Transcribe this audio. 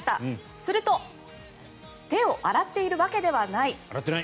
すると手を洗っているわけではない。